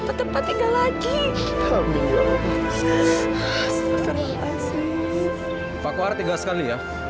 sampai jumpa di video selanjutnya